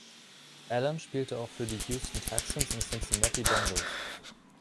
Allen spielte auch für die Houston Texans und Cincinnati Bengals.